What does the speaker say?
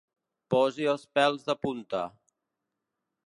Posi els pèls de punta.